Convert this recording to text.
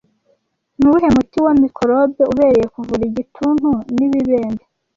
Ni uwuhe muti wa mikorobe ubereye kuvura igituntu n'ibibembe